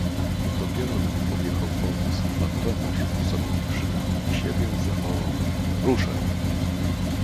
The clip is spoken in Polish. "Dopiero, gdy podjechał powóz i pan Tomasz, usadowiwszy damy i siebie, zawołał: ruszaj!"